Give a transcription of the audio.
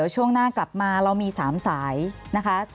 ช่วงหน้ากลับมาเรามี๓สายนะคะ